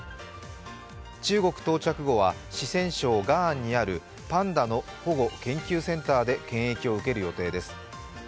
中国到着後は四川省雅安にあるパンダの保護研究センターで検疫を受ける予定です。